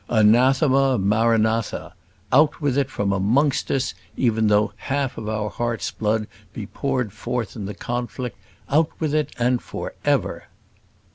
Anathema maranatha! out with it from amongst us, even though the half of our heart's blood be poured forth in the conflict! out with it, and for ever!